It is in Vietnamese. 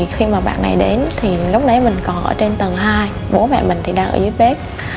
khi mà bạn này đến thì lúc đấy mình còn ở trên tầng hai bố mẹ mình thì đang ở dưới bếp